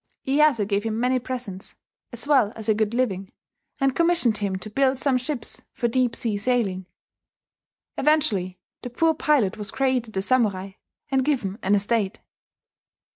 ... Iyeyasu gave him many presents, as well as a good living, and commissioned him to build some ships for deep sea sailing. Eventually, the poor pilot was created a samurai, and given an estate.